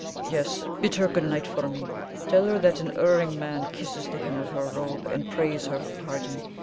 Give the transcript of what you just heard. Yes; bid her good night for me; tell her that an erring man kisses the hem of her robe, and prays her for pardon.